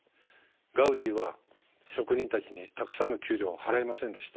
ガウディは職人たちにたくさんの給料を払いませんでした。